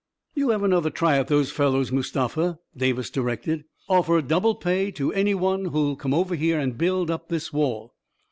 " You have another try at those fellows, Mus tafa," Davis directed. " Offer double pay to any who will come over here and build up this wall.